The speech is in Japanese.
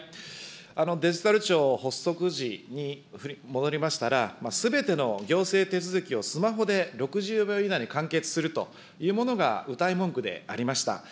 デジタル庁発足時に戻りましたら、すべての行政手続きをスマホで６０秒以内に完結するというものがうたい文句でありました。